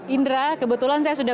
indra kebetulan saya sudah